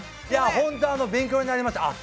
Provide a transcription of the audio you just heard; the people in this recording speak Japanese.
いやほんと勉強になりました。